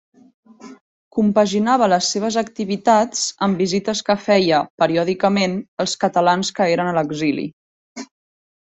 Compaginava les seves activitats amb visites que feia, periòdicament, als catalans que eren a l'exili.